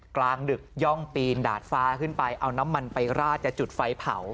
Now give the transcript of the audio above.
กลางดึกย่องปีนดาดฟ้าขึ้นไปเอาน้ำมันไปราดจะจุดไฟเผา